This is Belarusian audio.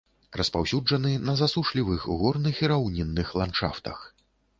Распаўсюджаны на засушлівых горных і раўнінных ландшафтах.